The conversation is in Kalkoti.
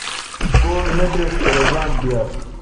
گوگھ میدریش ،پرہ زام گیال